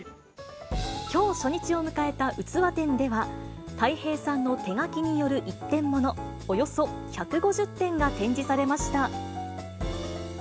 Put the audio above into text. きょう初日を迎えたうつわ展では、たい平さんの手描きによる一点もの、およそ１５０点が展示されました。